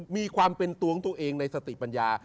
มีความเป็นตัวของตัวเองในสติปัญญา